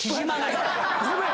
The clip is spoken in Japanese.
ごめん！